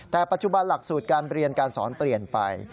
แต่ปัจจุบันหลักสูตรการเรียนการสอนเปลี่ยนไป